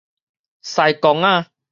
司公仔